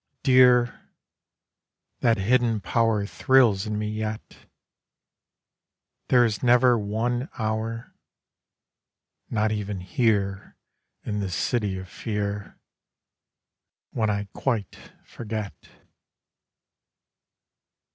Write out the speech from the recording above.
Dear, That hidden power thrills in me yet. There is never one hour Not even here In this City of Fear When I quite forget.